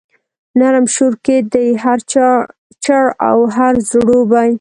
نرم شور کښي دی هر چړ او هر ځړوبی